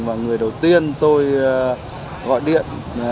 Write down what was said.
và người đầu tiên tôi gọi điện